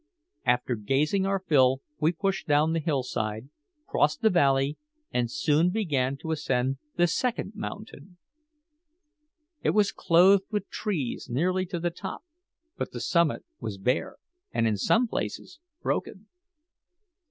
After gazing our fill we pushed down the hillside, crossed the valley, and soon began to ascend the second mountain. It was clothed with trees nearly to the top; but the summit was bare, and in some places broken.